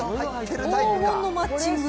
黄金のマッチング。